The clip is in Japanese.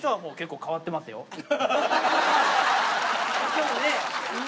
そうだね。